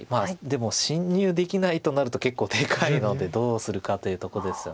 でも侵入できないとなると結構でかいのでどうするかというとこですよね。